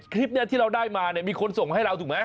คลิปนี้ที่เราได้มาเนี่ยมีคนส่งให้เราถูกไหม